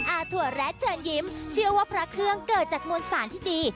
ถั่วแรดเชิญยิ้มเชื่อว่าพระเครื่องเกิดจากมวลสารที่ดี